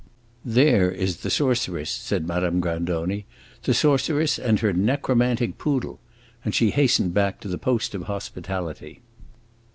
"There is the sorceress!" said Madame Grandoni. "The sorceress and her necromantic poodle!" And she hastened back to the post of hospitality.